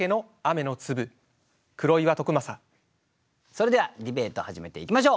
それではディベート始めていきましょう。